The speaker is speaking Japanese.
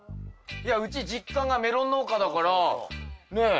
いやうち実家がメロン農家だからねえ